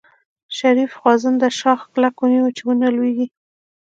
شريف خوځنده شاخ کلک ونيو چې ونه لوېږي.